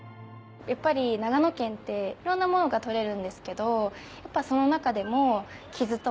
長野県っていろんなものが採れるんですけどその中でも。